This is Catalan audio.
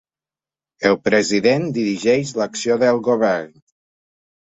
El president dirigeix l’acció del govern.